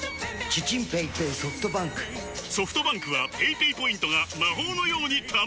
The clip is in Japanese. ソフトバンクはペイペイポイントが魔法のように貯まる！